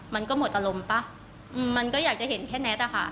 มันก็หมดอารมณ์ป่ะมันก็อยากจะเห็นแค่แท็ตอะค่ะ